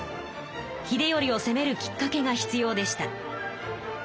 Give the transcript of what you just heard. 秀頼をせめるきっかけが必要でした。